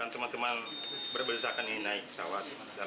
teman teman berberusakan naik pesawat